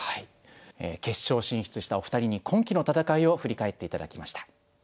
決勝進出したお二人に今期の戦いを振り返って頂きました。